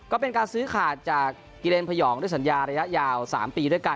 ก็เป็นการซื้อขาดจากกิเรนพยองด้วยสัญญาหรยายะยาวสามปี